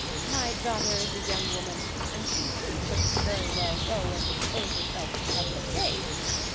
My daughter is a young woman, and she too couldn't very well go and expose herself to public gaze.